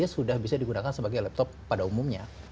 sudah bisa digunakan sebagai laptop pada umumnya